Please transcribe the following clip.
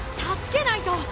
助けないと！